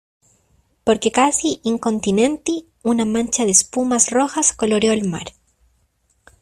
porque casi incontinenti una mancha de espumas rojas coloreó el mar,